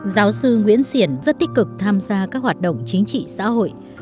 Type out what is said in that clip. giáo sư nguyễn xiển rất tích cực tham gia các hoạt động chính trị xã hội